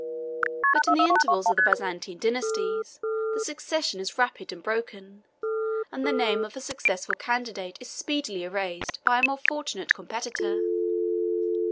But in the intervals of the Byzantine dynasties, the succession is rapid and broken, and the name of a successful candidate is speedily erased by a more fortunate competitor.